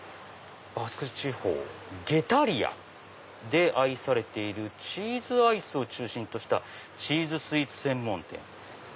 「バスク地方『ゲタリア』で愛されているチーズアイスを中心としたチーズスイーツ専門店」。